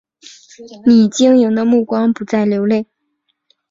你晶莹的目光不再流泪